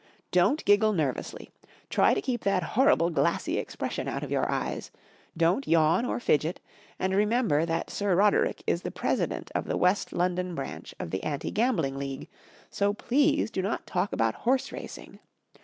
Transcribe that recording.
Don't giggle nervously : try to keep that horrible glassy expression out of your eyes : don't yawn or fidget : and remember that Sir Roderick is the president of the West London branch of the anti gambling league, so please do not talk about horse racing.